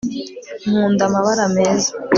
nkunda amabara meza